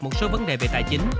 một số vấn đề về tài chính